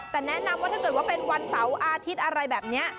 แต่แนะนำว่าถ้าเกิดว่าเป็นวันเสาร์อาทิตย์อะไรแบบนี้